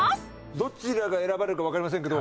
どちらが選ばれるかわかりませんけど。